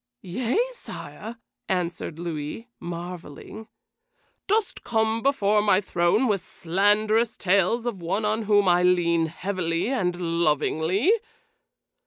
"Yea, sire," answered Louis, marveling. "Dost come before my throne with slanderous tales of one on whom I lean heavily and lovingly?"